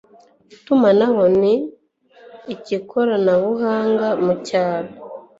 itumanaho ni ikoranabuhanga mu cyaro